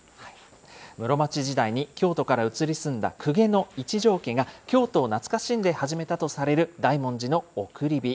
室町時代に京都から移り住んだ公家の一條家が、京都を懐かしんで始めたとされる大文字の送り火。